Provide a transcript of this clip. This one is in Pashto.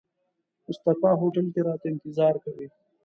مصطفی هوټل کې راته انتظار کوي.